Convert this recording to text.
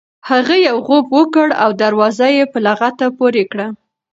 هغه یو غوپ وکړ او دروازه یې په لغته پورې کړه.